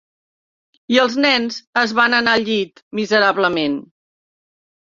I els nens es van anar al llit, miserablement.